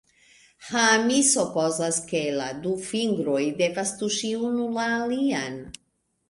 Ah, mi supozas ke la du fingroj devas tuŝi unu la alian.